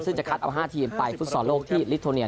ซึ่งจะคัดเอา๕ทีมไปฟุตซอลโลกที่ลิโทเนีย